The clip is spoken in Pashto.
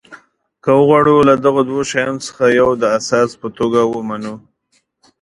که وغواړو له دغو دوو شیانو څخه یو د اساس په توګه ومنو.